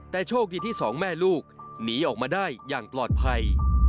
แต่โชคดีที่สองแม่ลูกหนีออกมาได้อย่างปลอดภัย